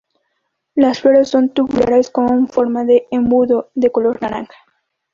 Las flores son tubulares con forma de embudo de color naranja.